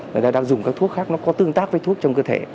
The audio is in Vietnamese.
người ta đang dùng các thuốc khác nó có tương tác với thuốc trong cơ thể